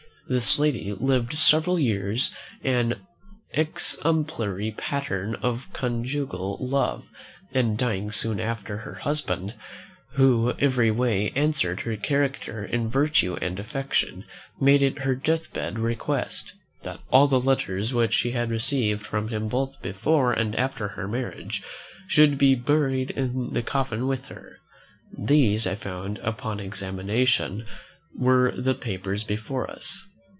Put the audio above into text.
This lady lived several years an exemplary pattern of conjugal love, and, dying soon after her husband, who every way answered her character in virtue and affection, made it her death bed request, "that all the letters which she had received from him both before and after her marriage should be buried in the coffin with her." These I found, upon examination, were the papers before us.